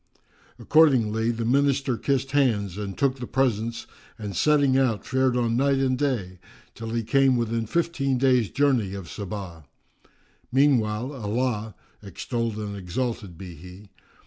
Accordingly, the Minister kissed hands and took the presents and setting out, fared on night and day, till he came within fifteen days' journey of Saba. Meanwhile Allah (extolled and exalted be He!)